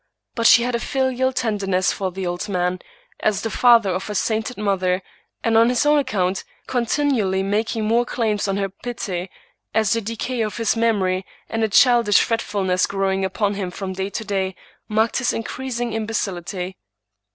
But she had a filial tenderness for the old man, as the father of her sainted mother, and on his own account, continually making more claims on her pity, as the decay of his memory, and a childish fretfulness growing upon him from day to day, marked his increasing imbecility.